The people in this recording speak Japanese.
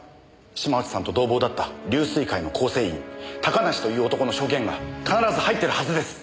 島内さんと同房だった龍翠会の構成員高梨という男の証言が必ず入ってるはずです。